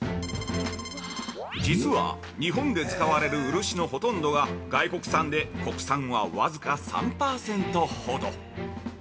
◆実は日本で使われる漆のほとんどは外国産で国産は僅か３％ほど。